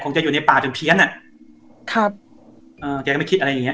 จะอยู่ในป่าจนเพี้ยนอ่ะครับอ่าแกก็ไม่คิดอะไรอย่างเง